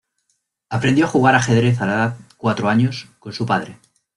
Aprendió a jugar ajedrez a la edad cuatro años con su padre.